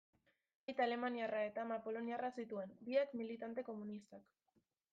Aita alemaniarra eta ama poloniarra zituen, biak militante komunistak.